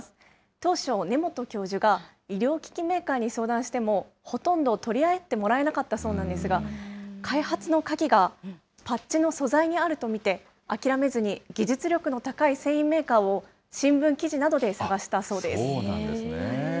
当初、根本教授が医療機器メーカーに相談しても、ほとんど取り合ってもらえなかったそうなんですが、開発の鍵がパッチの素材にあると見て、諦めずに技術力の高い繊維メーカーを新聞記事などで探したそうでそうなんですね。